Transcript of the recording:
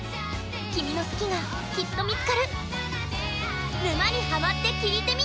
君の好きが、きっと見つかる。